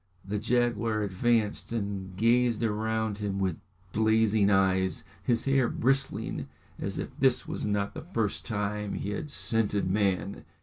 The jaguar advanced and gazed around him with blazing eyes, his hair bristling as if this was not the first time he had scented man.